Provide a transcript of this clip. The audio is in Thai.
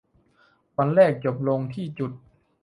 วันแรกจบลงที่จุด